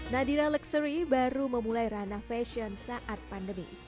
nadira luxury baru memulai ranah fashion saat pandemi